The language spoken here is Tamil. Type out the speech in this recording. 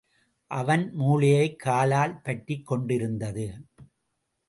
அவன் மூளையைக் காலால் பற்றிக் கொண்டிருந்தது.